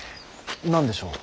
何でしょう。